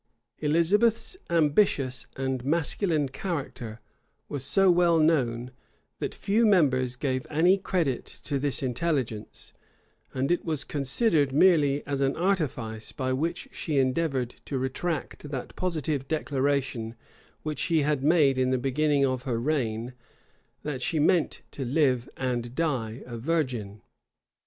Elizabeth's ambitious and masculine character was so well known, that few members gave any credit to this intelligence; and it was considered merely as an artifice, by which she endeavored to retract that positive declaration which she had made in the beginning of her reign, that she meant to live and die a virgin.